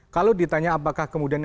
kalau ditanya apakah kemudian